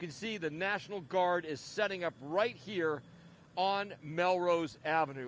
anda bisa melihat guard nasional berdiri di sini di melrose avenue